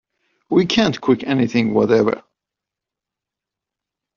We can't cook anything whatever.